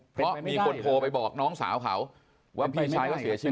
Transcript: เพราะมีคนโทรไปบอกน้องสาวเขาว่าพี่ชายเขาเสียชีวิต